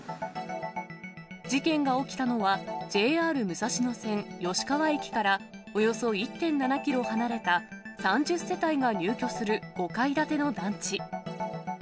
事件が起きたのは、ＪＲ武蔵野線吉川駅からおよそ１．７キロ離れた、３０世帯が入居する５階建ての団地。